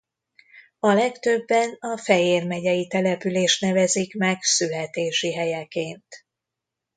A legtöbben a Fejér megyei települést nevezik meg születési helyeként.